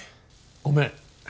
ごめん。